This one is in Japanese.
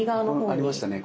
ありましたね